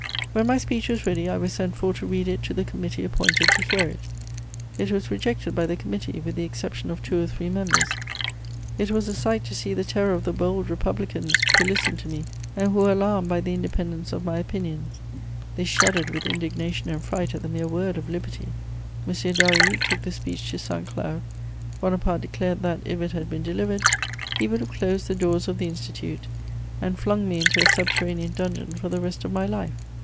] When my speech was ready, I was sent for to read it to the committee appointed to hear it: it was rejected by the committee, with the exception of two or three members. It was a sight to see the terror of the bold Republicans who listened to me and who were alarmed by the independence of my opinions; they shuddered with indignation and fright at the mere word of liberty. M. Daru took the speech to Saint Cloud. Bonaparte declared that, if it had been delivered, he would have closed the doors of the Institute and flung me into a subterranean dungeon for the rest of my life.